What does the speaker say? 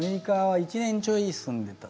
１年ちょい住んでいました。